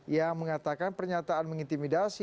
yang mengatakan pernyataan mengintimidasi